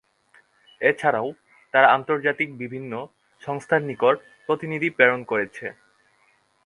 এছাড়াও তারা আন্তর্জাতিক বিভিন্ন সংস্থার নিকট প্রতিনিধি প্রেরণ করেছে।